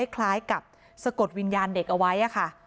คล้ายกับสะกดวิญญาณเด็กเอาไว้ค่ะ